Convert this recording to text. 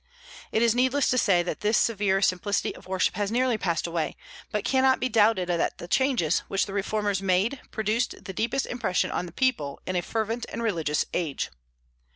It is needless to say that this severe simplicity of worship has nearly passed away, but it cannot be doubted that the changes which the reformers made produced the deepest impression on the people in a fervent and religious age.